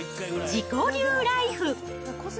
自己流ライフ。